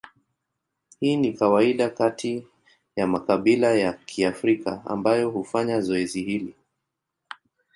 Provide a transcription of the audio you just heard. Hii ni kawaida kati ya makabila ya Kiafrika ambayo hufanya zoezi hili.